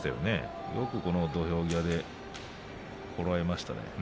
よくこの土俵際でこらえましたね。